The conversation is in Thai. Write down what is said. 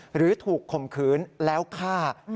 หรือถูกข่มขืนแล้วฆ่า